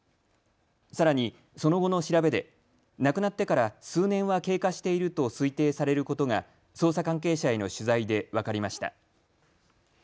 さらにその後の調べで亡くなってから数年は経過していると推定されることが捜査関係者への取材で分かりました。